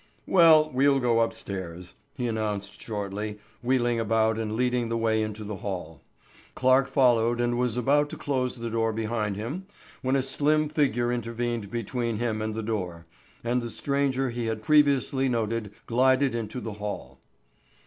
"Well, we'll go upstairs!" he announced shortly wheeling about and leading the way into the hall. Clarke followed and was about to close the door behind him when a slim figure intervened between him and the door, and the stranger he had previously noticed glided into the hall.